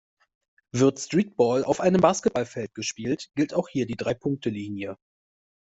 Wird Streetball auf einem Basketballfeld gespielt, gilt auch hier die Dreipunktelinie.